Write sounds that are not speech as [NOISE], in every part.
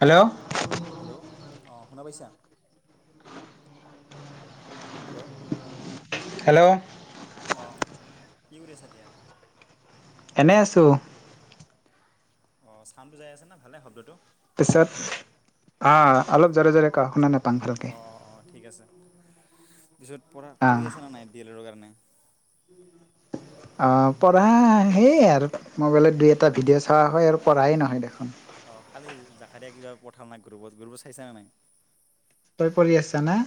Hello hello অঁ শুনা পাইছা হেল্ল' হেল্ল' আহ কি কৰি কৰি আছ এতিয়া এনেই আছোঁ অ চাউডটো যাই আছে না ভালে শব্দটো পিছত অ অলপ জৰে জৰে ক শুনা ন অ অ অ ঠিক আছে পিছত পঢ়া অঁ পঢ়ি আছ ন নাই ডি এল ৰৰ কাৰণে অঁ পঢ়া সেইয়ে আৰু মোবাইলত দুই এটা ভিডিঅ' চোৱা হয় আৰু পঢ়াই নহয় দেখোন। অ কালি জাকা দিয়া কিবা পঠাল নাই গৰুবোৰ গৰুবোৰ চাইছা নে নাই তই পৰি আছানে।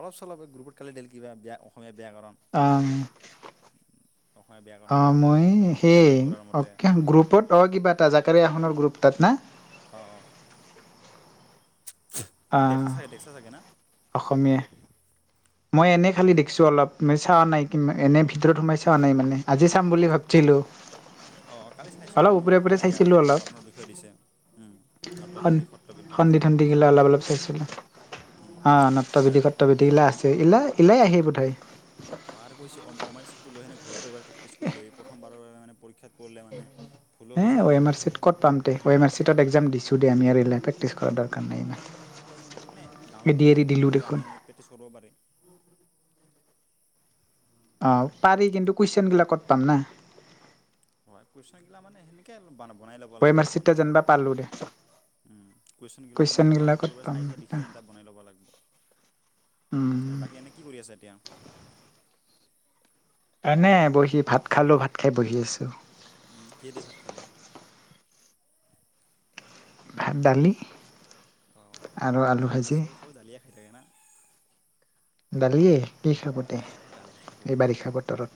অলপ চলপ গ্ৰুপত কালি দিল কিবায়া অসমীয়া ব্যাকৰণ আহ অসমীয়া ব্যাকৰণ অ কাক বোলে মই সেই সত্যনাথ বৰাৰ অ মতে গ্ৰুপত অ কিবা এটা জাকী আসনৰ গ্ৰুপ তত ন অঁ অঁ দেখছা চাগে দেখছা চাগে না অসমীয়া মই এনে খালি দেখিছো অলপ চা নাই এনে ভিতৰত সোমাই চাৱা নাই মানে আজি চাম বুলি ভাবছিলো অঁ কালি চাইছোঁ অলপ মানে অসমীয়া গেয়া চাইছিলোঁ অলপ বয়াকৰণৰ বিষয়ে দিছে সন নাট্ৰবৃদ্ধি সত্ৰবৃদ্ধি সন্ধি থন্দিগিলা অলপ অলপ চাইছিলোঁ আৰু এলাই আহি বোঠাই। অ আৰু কৈছে অমাৰ চিটটো লৈ সেনে ঘৰতে প্ৰেক্টিছ কৰি লৈ এই প্ৰথবাৰ মানে পৰীক্ষা এ ওৱেমাৰ চিট ক'ত পাম দে ওৱেমাৰ চিটত একজাম দিছো দে আমি আৰু এগিলাই প্ৰেক্টিছ কৰা দৰ অ সেইটো হয়, কিন্তু এনেই ডাউনলোড ডি এৰি কৰিহেনে দিলো প্ৰিণ্টলড কৰি দেখোন আনিকেনে প্ৰেক্টিছ কৰিব পাৰি। অ' পাৰি কিন্তু কুৱেশ্যনবিলাকত পাম না হয় কুৱেশ্যন মানে সেনেকে বনাই ল'ব অ এম আৰ লাগবো চিটটা মানে ধৰ যেনিবা পালো দে কুৱেশ্যন গিলাক মানে এতিয়া গিলা ক'ত ইউটিউবত পাম চাই চাই লিখি বনাই ল'ব লাগে আৰু উম। বাকী এনে কি কৰি আছা এতিয়া। এনে বহি ভাত খালো, ভাত খাই বহি আছো। উ কিহে দি ভাত খালি? ভাত, দালি। অ' আৰু আলু দালি ভাজি। চব-চব দালিয়ে খাই থাকে না। দালিয়ে কি খাব দে অ দালিটো হৈ এই থাকে, বাৰিষা বতৰত।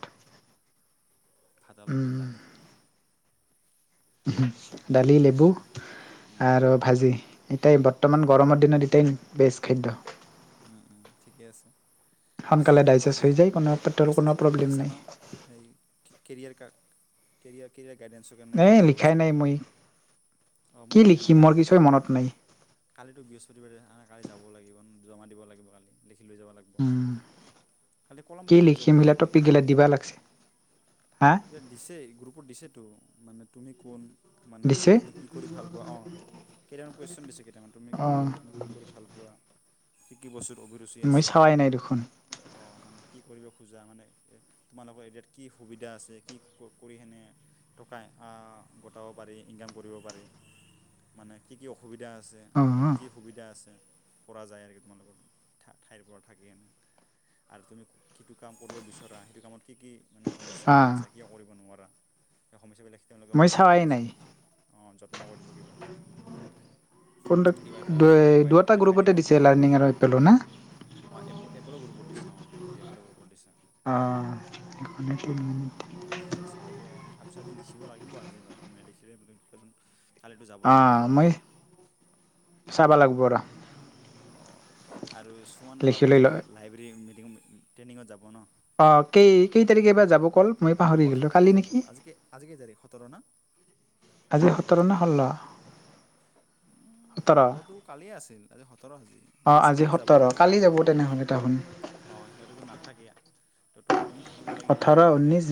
ভাতৰ লগত উম, দালি দালি, বন্ধু লেবু পুৰা উম আৰু ভাজি এতাই বৰ্তমান গৰমৰ দিনত এতাই বেছ খাদ্য। উম-উম ঠিকে আছে। পিছে সোনকালে এইটো ডাইজেষ্ট হৈ যায় কোনো সেই পেটৰ কুৱেশ্যন কোনো যিবাক প্ৰব্লেম লিখিছা নাই ন সেই কেৰিয়াৰ কা কেৰিয়াৰ-কেৰিয়াৰ এটেনশ্যন মেমে যে এই কি কৰিছে লিখাই এইবোৰ। নাই মই অ' কি মই লিখা নাই লিখিম কালি, মোৰ কিছু মনত নাই কালিটো বৃহস্পতিবাৰে, কালি যাম। যাব লাগিব ন। জমা দিব লাগিব খালি। উম কলম কি বহীও লৈ লিখি যাবি নেকি মিলা টপিক গিলা দিবা লাগিছে এয়া দিছে গ্ৰুপত দিছেতো মানে তুমি কোন? মানে দিছে তুমি কি কৰি ভাল পোৱা অ' কেই কুৱেশ্যন দিছি দে। তাৰমানে তুমি অ কোন, তুমি কি কৰি ভাল পোৱা কি কি বস্তু মই চাৱাই নাই দেখোন। অ মানে কি কৰিব খোজা মানে তোমালোকৰ ইয়াতে কি সুবিধা আছে? যে কি কৰি কেনে টকা গটাব পাৰি, ইনকাম কৰিব পাৰি মানে কি কি সুবিধা আছে অ কি সুবিধা আছে। কৰা যায় আৰু তোমালোকত ঠাইৰ পৰা থাকেনে আৰু তুমি কিটো কাম কৰিব বিচৰা সেইটো কামত কি কি মানে অ পাই আছা কিয় কৰিব নোৱাৰা সমস্যা বিলাক দেখি তেওঁলোকে মই সমাধান চাৱাই কৰিবলৈ নাই অ' যত্ন কৰিব কিবা কোনটো কিবা এটা উপায় দুটা দেখাই গ্ৰুপতে দিব দিছে আমাক। লাৰ্ণিং আৰু এপেলো না অ' এপলো গ্ৰুপত দিছে অ' এয়া কৰিব দিছে। অঁ মই কালি চালোঁ তো মানে ভাবিছোঁ আজি লিখিব লাগিব আজি তাৰমানে লিখিলে এজন কালিতো যাব অ লাগিব ন মই চাবা লাগিব ৰ অ আৰু কিছুমানৰ লিখি লৈ বাপনটো লয় লাইব্ৰেৰী ট ট্ৰেইনিঙত যাব ন অ কেই কেই তাৰিখেবাৰ যাব ক'ল মই পাহৰি ওঠৰ গলো তাৰিখে কালি যাব নেকি আজিকে আজি কেই তাৰিখ সোতৰ না আজি সোতৰ ন ষোল্ল উম সোতৰ ষল্লটো কালিয় আছিল আজি সোতৰ সাজি অ আজি বৃহস্পতিবাৰে যাব সোতৰ কালি যাব তেওঁলোকে তেনেহ'লে তাহোন অ সিহঁতেতো নাথাকে। [UNINTELLIGIBLE] তুমি থাকিব লাগিব ওঠৰ মই থাকিব ঊনৈশ লাগিব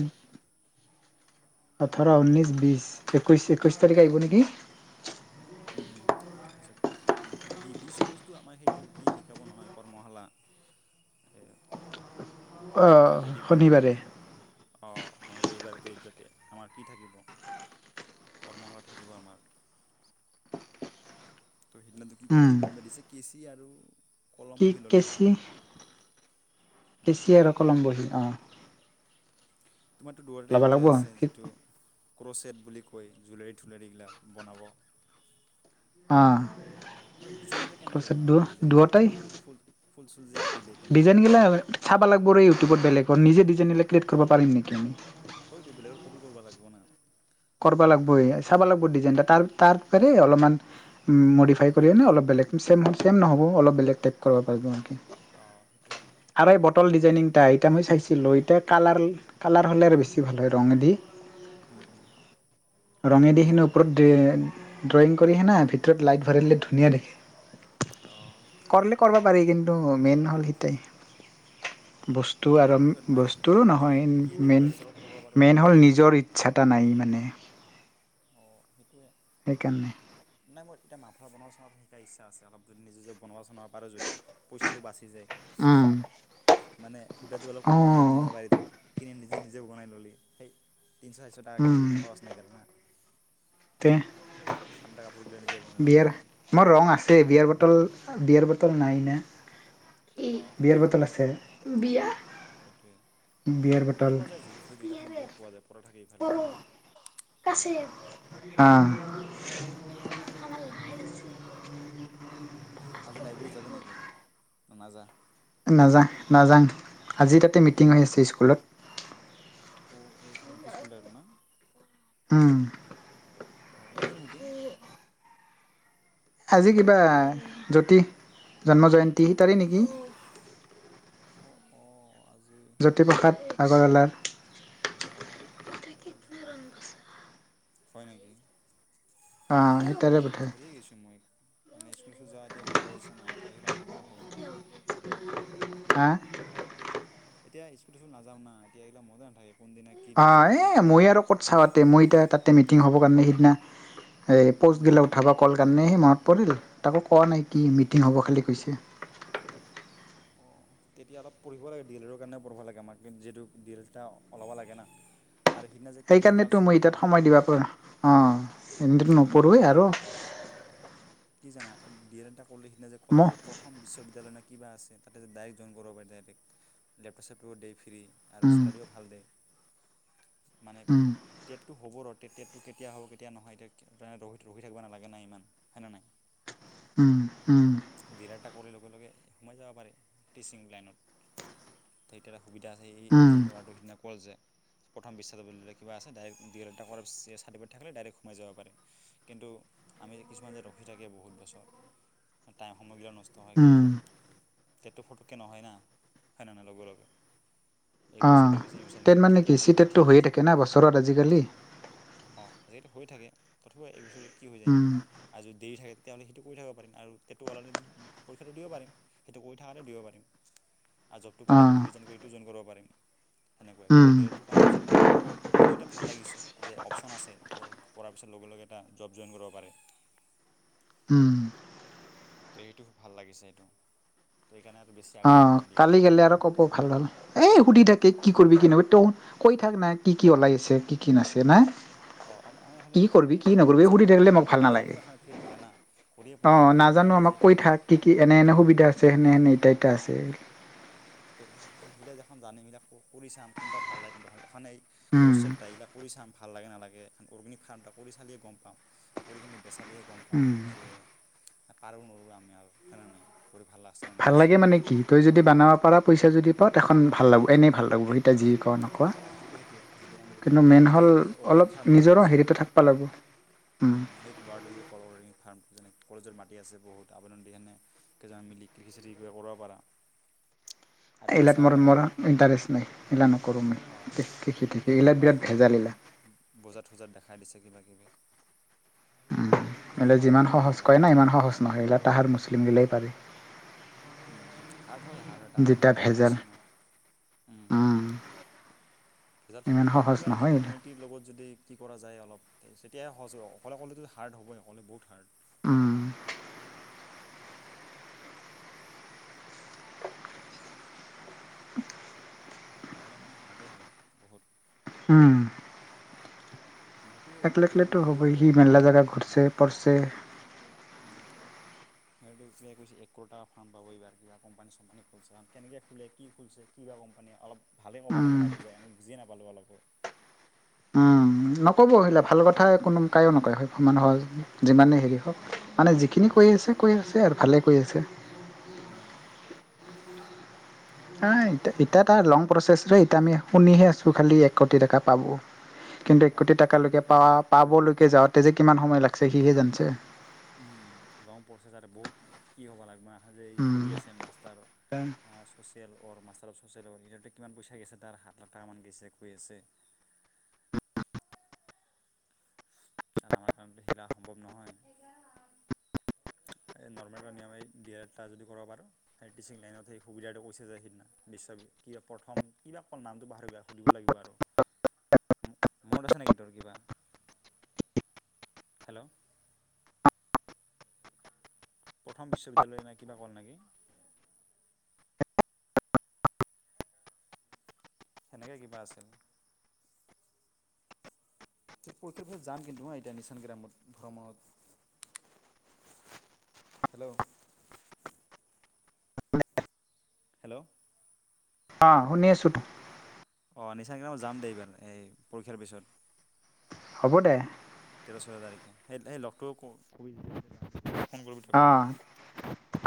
ওঠৰ, ঊনৈছ, বিছ, একৈছ। একৈছ তাৰিখে আহিব নেকি? উম্ উম্ হয় চাগে। বিশ, একৈশটো আমাৰ সেইটো কি শিকাব নহয় কৰ্মশালা। অ হাতেদি বনোৱা শনিবাৰে। অঁ ৰবিবাৰটো এই দুটাতে আমাৰ কি থাকিব? কৰ্মশলা থাকিব আমাৰ। ত সেইদিনা নো কি উম নো‌‌ পাতিছে কি? কেচি আৰু। কলম কি বহি ল'লে হ'ল ন কেচি? কেচি আৰু কলম বহি। অহ। তোমাৰতো দূৰতে ল'ব লাগিব ইণ্টাৰে অ আছে যিটো ক্ৰ'চেড বুলি কৈ জুলৰী থুলৰীগিলাক বনাব অ। মোৰ ডিজাইন গিলা কেনেকে বনাওঁ ডিজাইন গিলা দুয়োটাই টো, ফুল ফুল চোল যে আক ডিজাইন গিলা চাব লাগিব ৰেই ইউটিউবত বেলেগ নিজে ডিজাইন গিলাক ক্ৰিয়েট কৰিব পাৰি নেকি আমি? হয়তটো বেলেগৰ কপি কৰিবা লাগিব না। কৰিব লাগবই চাব লাগিব ডিজাইনটা তাৰ তাৰপ অলপমান মডিফাই কৰি আনে অলপ বেলেগ চেম ছেম নহ'ব অলপ বেলেগ টাইপ কৰিব পাৰিব সিহঁতি। অঁ সেইটোৱে আৰু এই বটল ডিজাইনিং টাইপ। ক মই চাইছিলোঁ, এতিয়া কালাৰ কালাৰ হ'লে আৰু বেছি ভাল হয় ৰঙেদি। উম উম। ৰঙেদি সেনো ওপৰত এ ড্ৰয়িং কৰিহে না ভিতৰত লাইট ভৰাই দিলে ধুনীয়া অঁ দেখে। কৰলে কৰব। হব পাৰে কিন্তু মেইন হল হিতাই [INAUDIBLE] বস্তু আৰু সেইটোৱে নাই বস্তু শিকো দেই নহয় শিকি শিকি এনে কিবা মেইন যদি অলপ কৰিব পাৰোঁ অলপ মেইন হ'ল নিজৰ ইচ্ছাটা নাই। অ সেইটোয়ে। সেইকাৰণে। নাই মই এতিয়া [INAUDIBLE] বনোৱা চ শিকা ইচ্ছা আছে অলপ যদি নিজে বনোৱা পাৰা যদি পইচাটো বাচি যায় উম [INAUDIBLE] মানে সূটাটো অলপ কম দাম অঁ কিনিব পাৰি ধৰ কিনি যে নিজে বনাই ল'লি, সেই তিনিশ চাৰিশ টকা উম খৰচ নে গেল না। তে। ঠাণ্ডা কাপোৰগিলা নিজে বনাই ল'ব বিয়াৰ, পাৰি মোৰ ৰং আছে বিয়াৰ ব বটল বিয়াৰ বটল নাইনে? অঁ বিয়াৰ বটল আছে। বিয়া সেইটোৱে বিয়াৰ পাছত পোৱা যায়, জুলি চুলি দিনাখন বহুত পোৱা যায় পৰা থাকে ইফালে ইফালে আছে, আহ। সেইটোৱে আৰু আজি লাইব্ৰেৰীত যাবি নেকি? নাযা নাজা, নাজাং। আজি তাতে মিটিং অঁ হৈ আছে স্কুলত। অ এল পি স্কুলৰ না। উম। অ কিহৰ মিটিং? আজি কিবা জ্যোতিষ, জন্ম জয়ন্তী তাৰে নেকি? অঁ অঁ আজি জ্যোতিপ্ৰসাদ আগৰবালাৰ। অ জুন হয় নেকি? আহ এটাৰে পিঠে [UNINTELLIGIBLE] যা এতিয়া বন্ধ হৈছে নাই ইতিয়া আহিলা ম না থাকে মোৰ। হ। এতিয়া স্কুটি লৈ নাযাওঁ না এতিয়া এইবিলাক মজা নাথাকে। কোনদিনা কি অ দিব এ কি থাকে মই আৰু ক'ত চাৱাতে, মই এতিয়া তাতে মি টিং হ'বৰ কাৰণে সিদিনা এই প'ষ্টগিলা উঠাবা কল কাৰণে সি মত পৰিল তাকো কোৱা নাই কি মিটিং হ'ব খালি কৈছে। তেতিয়া অলপ পঢ়িব লাগে, ডিলাৰৰ কাৰণে পঢ়িব লাগে আমাক যিহেতু ডিল এটা সলাব লাগে না। আৰু সিদিনা যে কেৰিয়াৰ সেইকাৰণ তো মই কাউঞ্চিলিঙত এই তাত কল সময় দিবা পাৰো, অ। ইন্ত। [INAUDIBLE] নপঢ়ুবে মানে আৰু বিৰেণ ত ককলো সখিনা যে ম ক'ল যে প্ৰথম বিশ্ববিদ্যালয় নে কিবা আছে তাতে দাইৰেক জইন পি লপ ফ্ৰী আৰু উম চেলাৰিও ভাল দে মানে উম টেটটো হ'ব তেতিয়াতো কেতিয়া হ'ব কেতিয়া নহয় এতিয়া। ৰখি ৰখি থাকিব নালাগে নাই ইমান হয়নে নাই। উম। উম। ডি এল এড এটা কৰি লগে লগে সোমাই যাব পাৰে টিচিং লাইনত থটাৰ সুবিধা আছে এই উম এই ল'ৰাটোৰ সিদিনা ক'ল যে প্ৰথম বিশ্বাত বিলে কিবা আছে ডাইৰেক্ট দঘটা কৰ চাৰ্টি থাকিলে ডাইৰেক্ট সোমাই যাব পাৰে কিন্তু আমি কিছুমান যে ৰখি থাকে বহুত বছৰ। টাইময়িল ন নষ্ট হয় কিবা। উম তেটো ফটকে নহয় না হয়নে নে লগে লগে। এক বছৰ অঁ দুই বছৰ এইবছৰ এনেকৈ টেট মানে কেতিয়া কি হ'ব চি কোনো টেটটো ঠিক হৈয়ে ঠিক থাকে না বছৰত আজিকালি অঁ আজিকো হৈ থাকে কথা এই বছৰে। কি হৈ যায় ন আৰু যদি দেৰি থাকে। তেওঁলোকে সেইটো কৰি থাকিব পাৰিম আৰু হেইটো ওলালে পৰীক্ষাটো দিব পাৰিম সেইটো কৰি থাকতে দিব পাৰিম আৰু জবটো পালে অঁ সেইটো ৰিজাইন কৰি এইটো জইন কৰিব পাৰিম। সেনেকুৱাকৈ মানে ডেইলটো উম কৰাৰ পিছত মানে সেইটো এটা ভাল লাগিছে যে অপচন আছে ক'টো। কৰাৰ পিছত লগে লগে এটা জব জইন কৰিব পাৰিম। হম। ত এইটো ভাল লাগিছে এইটো অ কালি গেলে আৰু কব ভাল হ'ল এ সুধি থাকি অঁ কি কৰিবি কি নবি ত। কৈ থাক না কি কি ওলাই আছে কি কি নাছে নাই। অঁ আমি এখানি কি কৰিবি কি কোনটাত বা নকৰিবি ইণ্টাৰেষ্ট আমি সুধি থাকিলে মোক ভাল নাজানো নালাগে এখন ফিল্ডগিলা না কৰিয়ে অ পোৱা নাই কোনটাত বা নাজানো ইণ্টাৰেষ্ট আমাক কৈ এতিয়া থাক কি কি এনে এনে সুবিধা আছে সেনে সেনে। পটেচ ত' সেইগিলাক দেখখন জানেইবিলাক কৰি চাম কোনটা ভাল লাগে কোনটো ভাল এনে এই উম ক্ৰচছেট এইলাক কৰি চাম ভাল লাগে নালাগে অৰ্গেনিক ফাৰ্ম কৰি চালে গম পাম কৰি খ পেছালিয়ে গম পাওঁ উম যে কাৰণৰমি আৰু হেনো নাই কৰি ভাল লাগছেনে ভাল নাই লাগে মানে কি তই যদি বনাব পাৰা পইচা যদি পাওঁ তেখখন ভাল লাগব এনেই ভাল লাগব সিতা যিয়ে কও নকও অ অ সেইটোৱে সেইটোৱে যদি আমি যদি যদি হ'ল এ অৰ্গেনিক অলপ ফাৰ্মটো নিজৰো কল যে হেৰিটো থাকবা লাগব উম, উ সেই ল'ৰাটো যে কল অৰ্গেনিক ফাৰ্ম যেনে কলেজৰ মাটি আছে বহুত আবেদন দিয়া নাই কেইজন মিলি কৃষি চিষি কৰিব পাৰা আৰু এইবিলা বেচাব মোৰ মোৰ ইটাৰেষ্ট নাই এইবিলাক নকৰোঁ। মই অ কৃষি থিষি কিবা এইগিলাত গলপাৰ বিৰাট ভেজাল এইগিলা বজাত সোজাত দেখাই দিছে কিবা কিবি উম সেইটো এইলে হয় যিমান কিবা কিবি সহজ অলপ কয় না ইমান সহজ নহয় এইবিলাক। তাহাৰ মুছলিম গিলাই পাৰে। উম হাৰ্ড হয় হাৰ্ড হয় আৰ যেতিয়া সিহঁতেও ভেজাল কৰিছে না উম ভেজাল ইমান থাকিব সহজ সেইটো আৰু কি নহয় এইগিলা কমিউটিৰ লগত যদি কি কৰা যায় অলপ। এতিয়া সহজ অকলে হাৰ্ডৱ হ'বই নকলে বহুত হাৰ্ড। উম। [INAUDIBLE] অকলে মানে হাৰ্ডেই হয় বহুত। উম। মানে সেইটোৱে একলে কেইজনে একলেতটো মিলি হ'ব সেনে সি কৰিব পাৰে মেলনা সেইবিলাক জাগগা সেনেকা ঘূৰ্ছে পঢ়ছে বস্তুবিলাক সিহঁতে কৈছে একোটা ফাৰ্ম পাব এইবাৰ কিবা কোম্পানী চোম্পানী খোলছে কাৰ কেনেকে খোলে কি খোলছে কিবা কোম্পানী অলপ। ভালে'ব লাগে উম, ন বুজাই আমি। বুজি নাপালোঁ অলপো। নক'ব আহিলা ভাল কথা কোনো কায়ো নকয় মানুহক যিমানেই হেৰি হওক মানে যিখিনি কৈ আছে কৈ আছে আৰু ভালেই কৈ আছে উম। এ এটা লং প্ৰচেছ এ আমি শুনিহে আছোঁ খালি এক কোটি টকা পাব। কিন্তু এক অঁ কোটি টকালৈ এতিয়া প লং পাবলৈকে যাওঁতে যে কিমান সময় লাগিছে সিহে জানছে। তে। উম লং পচেছ আৰু বহুত কি হ'ব লাগব না। আজি উম, কৰি আছে মাষ্টাৰ। তেল অৰ মাচ চচিয়েল ৱ কিমান পইচা গৈছে তাৰ সাত লাখ টাকা মান গৈছে কৈ আছে। আৰু আমাৰ কাৰণ সিলা সম্ভৱ নহয় এই নৰ্মেলম দিয়া এটা যদি কৰ বাৰু সেই টিচিং লাইনত সেই সুবিধাটো কৈছে যোয় সিদিনা বিশ্ব কা প্ৰথম কিবা অ নামটো প সুধিব লাগিব আৰু মত আছে নেকি তোৰ কিবা। হেল্ল'। প্ৰথম বিশ্ববিদ্যালয় নে কিবা ক'ল নেকি। সেনেকে কিবা আছিল। পৰীক্ষাৰ পিছত যাম কিন্তু মই এতিয়া নিচান গ্ৰামত ধৰ্মত হেল্ল' হয়। হেল্ল'। অ শুনি আছো। অঁ নিচানকনা মই যাম দেেই এইবাৰ এই পৰীক্ষাৰ পিছত। হ'ব দে। ছয়তাৰিখে সেই সেই লগটোও খুব। অ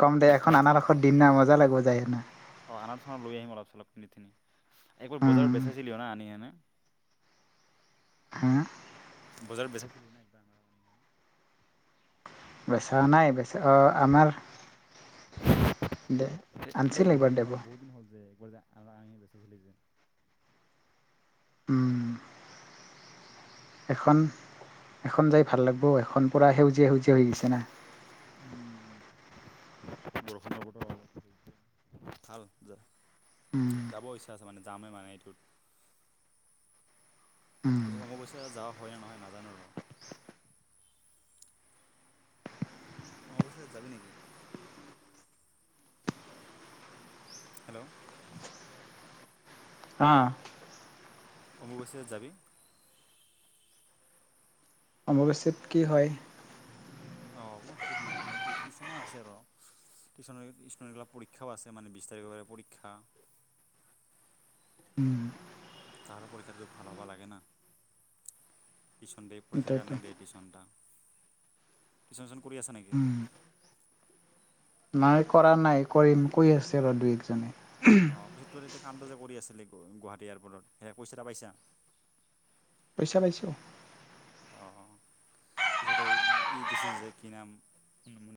কম দে এখন আাৰসত দিম না মজা লাগে। সিবজায় নে। অ আনাৰ চনত লৈ আহিম অলপ চলপ পিনি। একবাৰ উম বজাৰত বেচাইছিলিও না আনি কিনে। হা। বজাৰ বেচাছিলি ন একবাৰ আমাৰ কাৰ। বেচাও নাই বেচা অ আমাৰ দে আনিছিল একবাৰ দাব। আ আ বেচছিলি যে। উম। এখন এখন যাই, ভাল লাগিব এখন। পৰা সেউজীয়া সেউজীয়া হৈ গৈছে না বৰ ভাল যে উম যাব ইচ্ছা আছে মানে যামেই মানে উম এইটোতছত অমৱস্যা যাোৱা হয় ন নহয় নাজানো ৰ [INAUDIBLE] হেল্ল' অ অমাৱশ্যা‌ত যাবি অমবাচীত কি হয়? অ কোনো ঠিক নাই মোৰ টিউশচনো আছে আৰু টিউচন বিলাক পৰীক্ষাও আছে মানে বিশ তাৰিখৰ পৰীক্ষা। তাৰো পৰীক্ষাটোত ভাল হ'বা লাগে ন, টিশন দে পীৰ তাইতো কাৰণেই টিউচনটা কি? কৰি আছা নেকি? উম নাই কৰা নাই কৰিম কৈ আছে ৰ দুই একজনে অ ভিতৰত এতি কামটো যে কৰি আছিলে গুৱাহাটী এয়াৰপৰ্টত সে কইচা এটা পাইছা পইচা লাইছো অ পিছতে ই কছিল যে কি নাম?